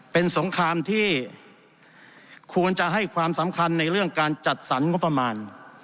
เป็นสงครามที่ควรจะให้ความสำคัญในเรื่องการจัดสรรงบประมาณ